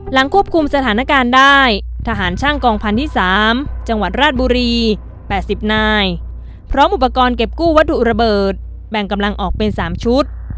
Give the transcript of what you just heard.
ควบคุมสถานการณ์ได้ทหารช่างกองพันธุ์ที่๓จังหวัดราชบุรี๘๐นายพร้อมอุปกรณ์เก็บกู้วัตถุระเบิดแบ่งกำลังออกเป็น๓ชุด